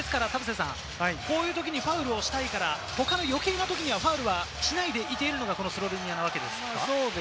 こういうときにファウルをしたいから、余計なときにはファウルはしないでいるのがスロベニアなわけですか？